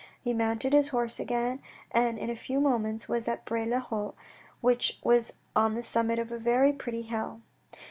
He mounted his horse again, and in a few moments was at Bray le Haut, which was on the summit of a very pretty hill.